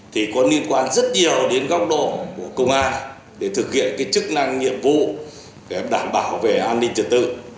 thì có liên quan rất nhiều đến góc độ của công an để thực hiện cái chức năng nhiệm vụ đảm bảo về an ninh trật tự